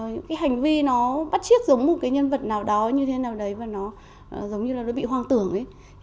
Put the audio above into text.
những cái hành vi nó bắt chiết giống một cái nhân vật nào đó như thế nào đấy và nó giống như là nó bị hoang tưởng ấy